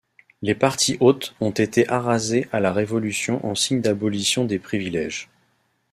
Les parties hautes ont été arasées à la Révolution en signe d'abolition des privilèges.